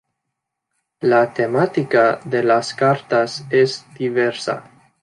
La temática de las cartas es diversa.